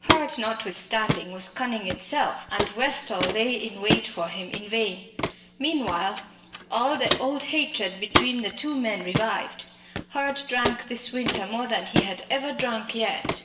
Hurd, notwithstanding, was cunning itself, and Westall lay in wait for him in vain. Meanwhile, all the old hatred between the two men revived. Hurd drank this winter more than he had ever drunk yet.